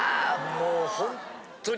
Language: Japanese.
もうホントに。